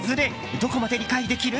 どこまで理解できる？